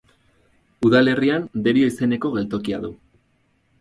Udalerrian Derio izeneko geltokia du.